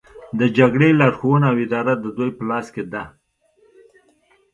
د جګړې لارښوونه او اداره د دوی په لاس کې ده